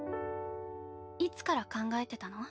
いつから考えてたの？